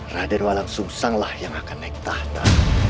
radenwa langsung sanglah yang akan naik tahta